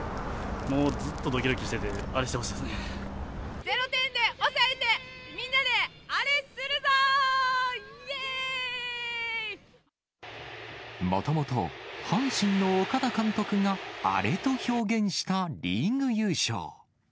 もうずっとどきどきしてて、０点で抑えて、みんなでアレもともと、阪神の岡田監督がアレと表現したリーグ優勝。